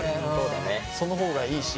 その方がいいし。